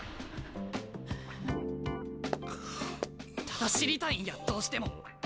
ただ知りたいんやどうしても。